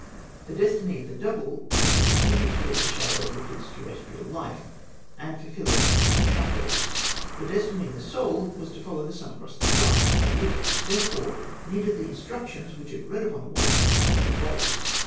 The destiny of the Double was to continue to lead the shadow of its terrestrial life, and fulfil it in the chapel; the destiny of the Soul was to follow the sun across the sky, and it, therefore, needed the instructions which it read on the walls of the vault.